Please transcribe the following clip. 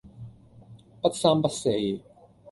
不三不四